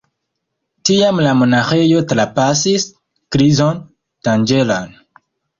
Tiam la monaĥejo trapasis krizon danĝeran.